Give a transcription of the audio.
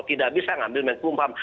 tidak bisa ngambil menkumham